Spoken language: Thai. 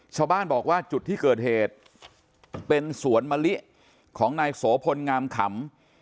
ชาวบ้านบอกว่าจุดที่เกิดเหตุเป็นสวนมะลิของนายโสพลงามขำ